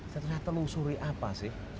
saya ternyata telusuri apa sih